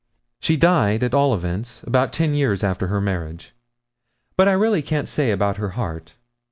'She died, at all events, about ten years after her marriage; but I really can't say about her heart.